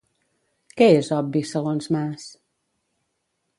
Què és obvi segons Mas?